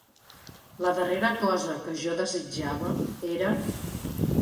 La darrera cosa que jo desitjava era...